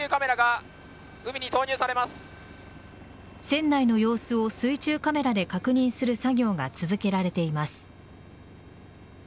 船内の様子を水中カメラで確認する作業が続けられています。